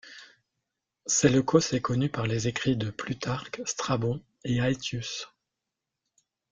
Séleucos est connu par les écrits de Plutarque, Strabon et Aetius.